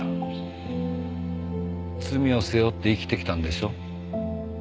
罪を背負って生きてきたんでしょ。